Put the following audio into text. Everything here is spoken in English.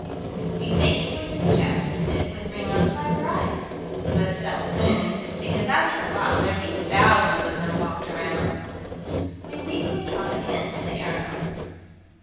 We basely suggest that it would bring a high price but sell soon, because after a while there'd be thousands of them hawked around We weakly drop a hint to the aeronauts.